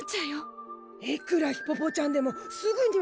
いくらヒポポちゃんでもすぐには作れないわ。